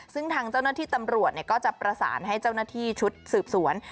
ซึ่งทางเจ้าหน้าที่ตำรวจก็จะประสานให้เจ้าหน้าที่ชุดสืบสวน